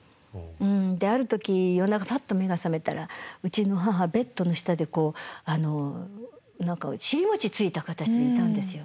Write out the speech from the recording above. である時夜中パッと目が覚めたらうちの母ベッドの下でこう何か尻餅ついた形でいたんですよ。